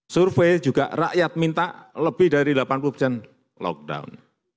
survei juga rakyat minta lebih dari delapan puluh persen lockdown